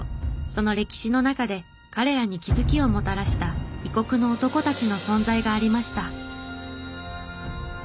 その歴史の中で彼らに気づきをもたらした異国の男たちの存在がありました。